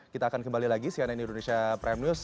kita akan kembali lagi si anany indonesia prime news